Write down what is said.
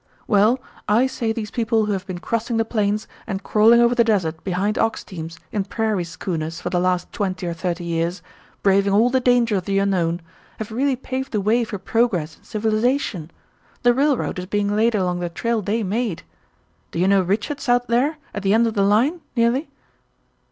"Well, I say these people who have been crossing the plains and crawling over the desert behind ox teams in 'prairie schooners' for the last twenty or thirty years, braving all the dangers of the unknown, have really paved the way for progress and civilization. The railroad is being laid along the trail they made. Do you know Richard's out there at the end of the line nearly?"